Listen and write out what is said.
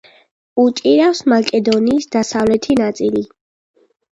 უჭირავს მაკედონიის დასავლეთი ნაწილი.